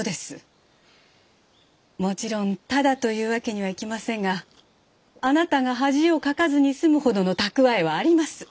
もちろんただというわけにはいきませんがあなたが恥をかかずに済むほどの蓄えはあります。